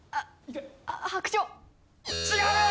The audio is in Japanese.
違う！